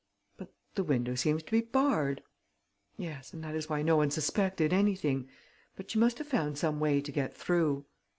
"But the window seems to be barred." "Yes; and that is why no one suspected anything. But she must have found some way to get through."